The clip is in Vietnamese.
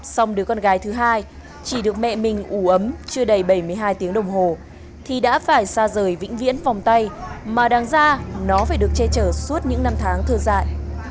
xong đứa con gái thứ hai chỉ được mẹ mình ủ ấm chưa đầy bảy mươi hai tiếng đồng hồ thì đã phải xa rời vĩnh viễn vòng tay mà đằng ra nó phải được che chở suốt những năm tháng thơ dại